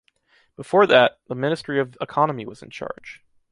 Before that, the Ministry of Economy was in charge.